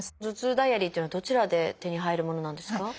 頭痛ダイアリーっていうのはどちらで手に入るものなんですか？